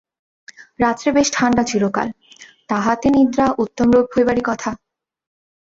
রাত্রে বেশ ঠাণ্ডা চিরকাল, তাহাতে নিদ্রা উত্তমরূপ হইবারই কথা।